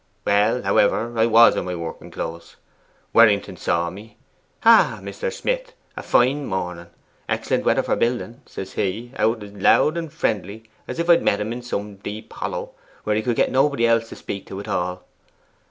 'Well, however, I was in my working clothes. Werrington saw me. "Ah, Mr. Smith! a fine morning; excellent weather for building," says he, out as loud and friendly as if I'd met him in some deep hollow, where he could get nobody else to speak to at all.